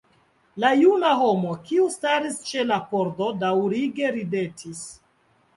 La juna homo, kiu staris ĉe la pordo, daŭrige ridetis.